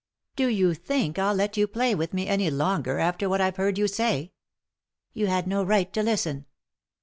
"Do you think I'll let you play with me any longer, after what I have heard you say ?"" You had no right to listen."